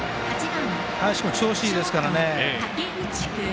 林君も調子いいですからね。